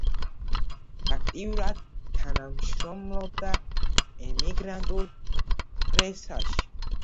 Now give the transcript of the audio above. აქტიურად თანამშრომლობდა ემიგრანტულ პრესაში.